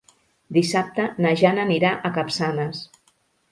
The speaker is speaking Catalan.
Dissabte na Jana anirà a Capçanes.